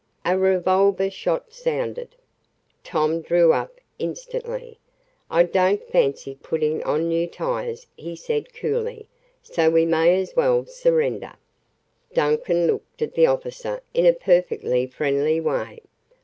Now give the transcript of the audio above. A revolver shot sounded. Tom drew up instantly. "I don't fancy putting on new tires," he said coolly, "so we may as well surrender." Duncan looked at the officer in a perfectly friendly way.